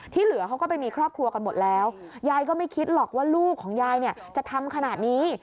เหลือเขาก็ไปมีครอบครัวกันหมดแล้วยายก็ไม่คิดหรอกว่าลูกของยายเนี่ยจะทำขนาดนี้